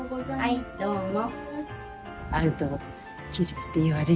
はいどうも。